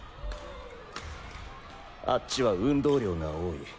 あっちは運動量が多い。